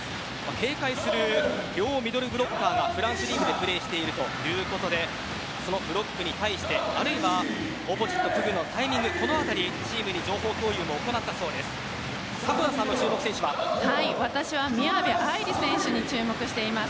警戒する両ミドルブロッカーがフランスリーグでプレーしているということでそのブロックに対してあるいはオポジット、クグノチームに情報共有を私は宮部藍梨選手に注目しています。